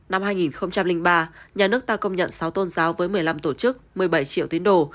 năm hai nghìn ba nhà nước ta công nhận sáu tôn giáo với một mươi năm tổ chức một mươi bảy triệu tín đồ